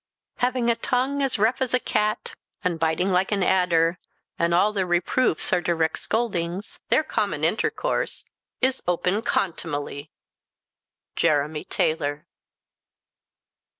"Having a tongue rough as a cat, and biting like an adder, and all their reproofs are direct scoldings, their common intercourse is open contumely." JEREMY TAYLOR.